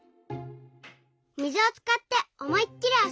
水をつかっておもいっきりあそびたい！